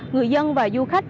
người dân và du khách